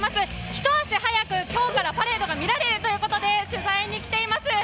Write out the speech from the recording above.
ひと足早く今日からパレードが見みられるということで取材に来ています。